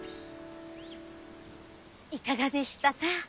いかがでしたか？